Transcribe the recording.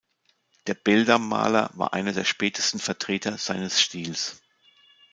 Der Beldam-Maler war einer der spätesten Vertreter seines Stils.